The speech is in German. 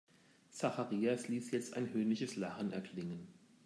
Zacharias ließ jetzt ein höhnisches Lachen erklingen.